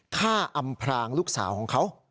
อำพรางลูกสาวของเขา